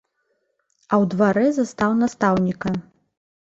А ў дварэ застаў настаўніка.